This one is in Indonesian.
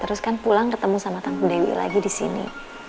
terus kan pulang ketemu sama tante dewi lagi disini